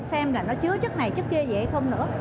xem là nó chứa chất này chất kia vậy không nữa